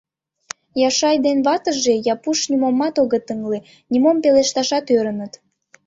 Яшай ден ватыже, Япуш нимомат огыт ыҥле, нимом пелешташат ӧрыныт.